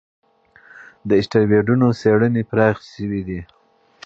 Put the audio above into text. د اسټروېډونو څېړنې پراخې شوې دي.